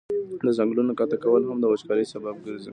د ځنګلونو قطع کول هم د وچکالی سبب ګرځي.